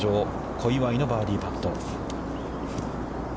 小祝のバーディーパット。